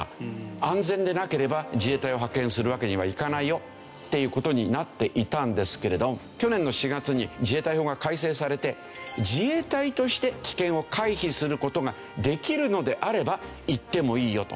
安全でなければ自衛隊を派遣するわけにはいかないよっていう事になっていたんですけれど去年の４月に自衛隊法が改正されて自衛隊として危険を回避する事ができるのであれば行ってもいいよと。